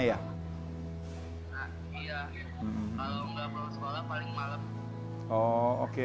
iya kalau gak pulang sekolah paling malem